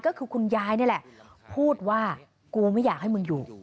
ก็คือคุณยายนี่แหละพูดว่ากูไม่อยากให้มึงอยู่